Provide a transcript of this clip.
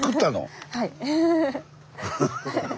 はい。